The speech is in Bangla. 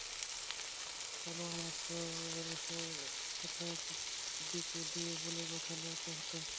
পোলোয়ার মাছ তো সে কথা বিকে দিয়ে বলে পাঠালে তো হত।